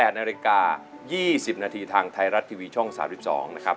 ๘นาฬิกา๒๐นาทีทางไทยรัฐทีวีช่อง๓๒นะครับ